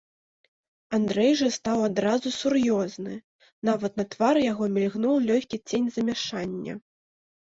Андрэй жа стаў адразу сур'ёзны, нават на твары яго мільгнуў лёгкі цень замяшання.